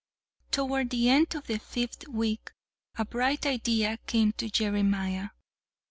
Toward the end of the fifth week a bright idea came to Jeremiah.